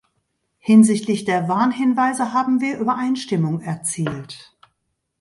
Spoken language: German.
Hinsichtlich der Warnhinweise haben wir Übereinstimmung erzielt.